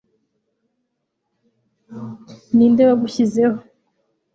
ninde wagushizeho